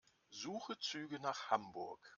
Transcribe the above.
Suche Züge nach Hamburg.